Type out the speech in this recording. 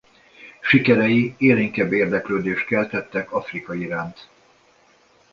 Sikerei élénkebb érdeklődést keltettek Afrika iránt.